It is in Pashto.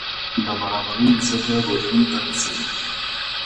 د برابرۍ ژبه بدلون ته هڅوي.